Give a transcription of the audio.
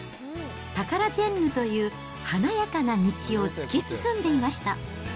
タカラジェンヌという華やかな道を突き進んでいました。